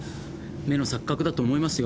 目の錯覚だと思いますよ。